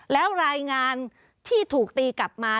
แล้วรายงานที่ถูกตีกลับมา